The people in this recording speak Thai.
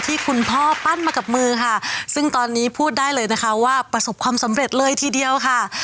ที่คุณพ่อปั้นมากับมือค่ะซึ่งตอนนี้พูดได้เลยนะคะว่าประสบความสำเร็จเลยทีเดียวค่ะ